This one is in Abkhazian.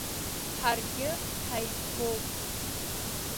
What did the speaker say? Ҳаргьы ҳаибгоуп.